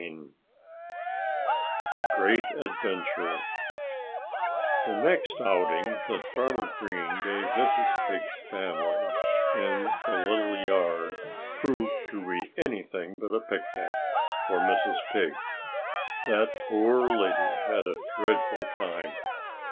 IX A GREAT ADVENTURE The next outing that Farmer Green gave Mrs. Pig's family in the little yard proved to be anything but a picnic for Mrs. Pig. That poor lady had a dreadful time.